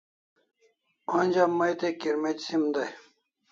Onja mai te kirmec' sim dai